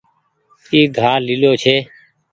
اي گآه ليلو ڇي۔